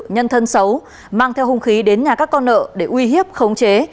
nhân thân xấu mang theo hung khí đến nhà các con nợ để uy hiếp khống chế